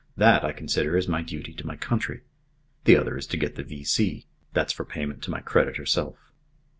That, I consider, is my duty to my country. The other is to get the V.C. That's for payment to my creditor self."